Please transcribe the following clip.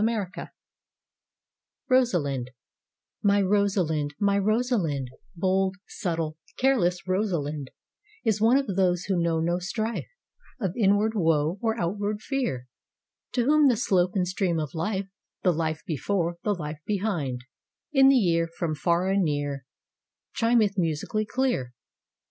XXXIII =Rosalind= My Rosalind, my Rosalind, Bold, subtle, careless Rosalind, Is one of those who know no strife Of inward woe or outward fear; To whom the slope and stream of life, The life before, the life behind, In the ear, from far and near, Chimeth musically clear.